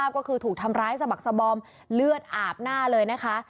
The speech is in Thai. ก็คือถูกทำร้ายสะบักสบอมเลือดอาบหน้าเลยนะคะ